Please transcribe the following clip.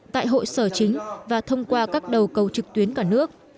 tại hội sở chính và thông qua các đầu cầu trực tuyến cả nước